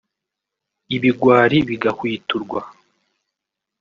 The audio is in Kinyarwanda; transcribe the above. ibigwari bigahwiturwa